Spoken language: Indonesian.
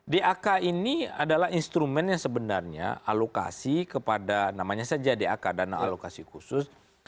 dak ini adalah instrumen yang sebenarnya alokasi kepada namanya saja dak dana alokasi khusus